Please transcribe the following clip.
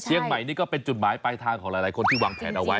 เชียงใหม่นี่ก็เป็นจุดหมายปลายทางของหลายคนที่วางแผนเอาไว้